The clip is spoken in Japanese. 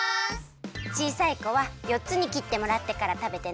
ちいさいこはよっつに切ってもらってからたべてね！